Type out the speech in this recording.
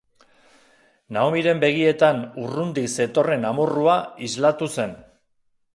Naomiren begietan urrundik zetorren amorrua islatu zen.